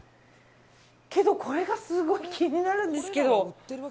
けどこれがすごい気になるんですけど。